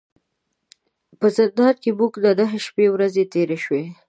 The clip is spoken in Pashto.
په زندان کې زموږ نه نهه شپې ورځې تیرې شوې.